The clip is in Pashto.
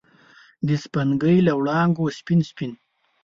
د سپوږمۍ له وړانګو سپین، سپین